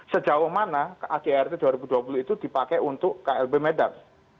sejauh mana adrt dua ribu dua puluh itu dipakai untuk klb medan